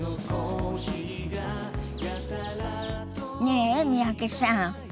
ねえ三宅さん。